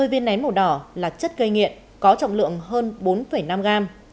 hai mươi viên nén màu đỏ là chất gây nghiện có trọng lượng hơn bốn năm gram